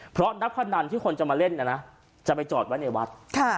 เพราะนักพนันที่คนจะมาเล่นนะนะจะไปจอดไว้ในวัด